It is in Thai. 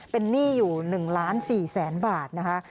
เป็นหนี้อยู่๑๔๐๐๐๐๐บาทนะคะ